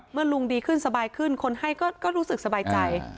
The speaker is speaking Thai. เมื่อลุงดีขึ้นสบายขึ้นคนให้ก็รู้สึกสบายใจ